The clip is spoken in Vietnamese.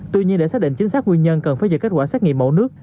tuy nhiên để xác định chính xác nguyên nhân cần phải dựa kết quả xét nghiệm mẫu nước